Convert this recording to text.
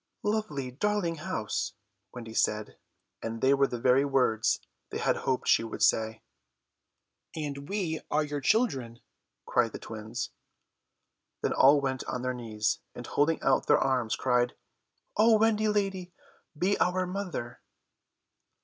"Lovely, darling house," Wendy said, and they were the very words they had hoped she would say. "And we are your children," cried the twins. Then all went on their knees, and holding out their arms cried, "O Wendy lady, be our mother."